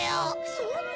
そんな！